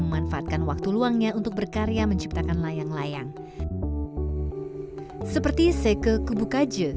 memanfaatkan waktu luangnya untuk berkarya menciptakan layang layang seperti seke kubu kaje